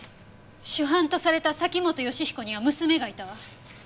主犯とされた崎本善彦には娘がいたわ。